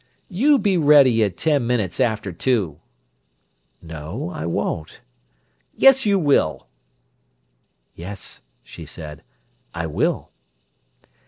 "You be ready at ten minutes after two." "No, I won't." "Yes, you will!" "Yes," she said, "I will!"